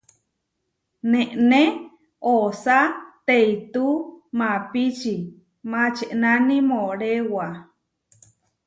Nené osá teitú maʼpíči mačenáni moʼréwa.